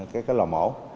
các cái lò mổ